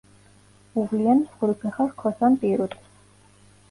უვლიან მსხვილფეხა რქოსან პირუტყვს.